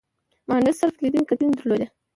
مانډس صرف لیدنې کتنې درلودې.